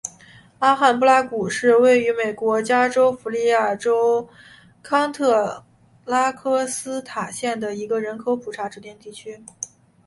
阿罕布拉谷是位于美国加利福尼亚州康特拉科斯塔县的一个人口普查指定地区。